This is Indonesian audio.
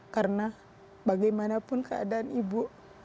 karena bagaimanapun keadaan ibu